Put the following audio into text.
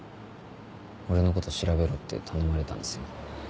俺のこと調べろって頼まれたんですよね。